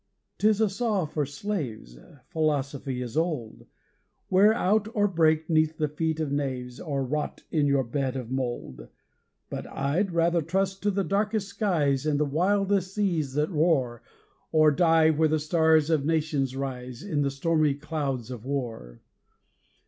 'tis a saw for slaves Philosophy false as old Wear out or break 'neath the feet of knaves, Or rot in your bed of mould! But I'D rather trust to the darkest skies And the wildest seas that roar, Or die, where the stars of Nations rise, In the stormy clouds of war.